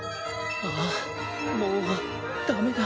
ああっもうダメだ。